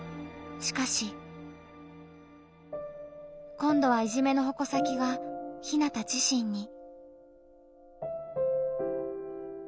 しかし。今度はいじめのほこ先がひなた自身に。